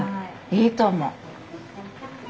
いいと思う！